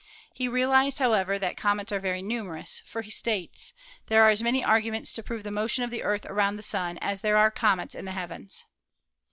He realized, how ever, that comets are very numerous, for he states, "There are as many arguments to prove the motion of the Earth around the Sun as there are comets in the heavens."